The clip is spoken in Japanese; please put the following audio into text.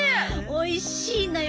おいしいのよ。